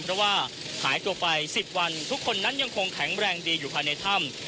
เพราะว่าหายตัวไป๑๐วันทุกคนนั้นยังคงแข็งแรงดีอยู่ภายในถ้ำ